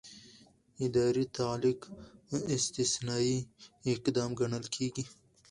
اداري تعلیق استثنايي اقدام ګڼل کېږي.